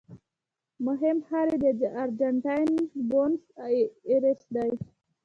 مهم ښار یې د ارجنټاین بونس ایرس دی.